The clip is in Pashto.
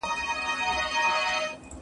ټولنیز پیوستون ډېر مهم دی.